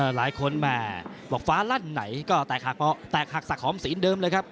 หลายคนมาฟ้ารั่นไหนก็แตกหักสักหอมศีลเดิมเลยครับ